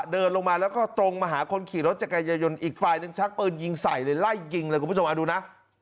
เดินลงมาแล้วก็ตรงมาหาคนขี่รถจักรยายนอีกฝ่ายหนึ่งชักปืนยิงใส่เลยไล่ยิงเลยคุณผู้ชมดูนะ